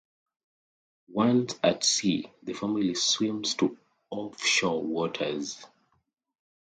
Once at sea the family swims to offshore waters.